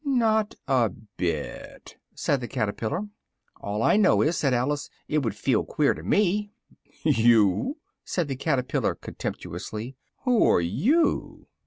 "Not a bit," said the caterpillar. "All I know is," said Alice, "it would feel queer to me." "You!" said the caterpillar contemptuously, "who are you?"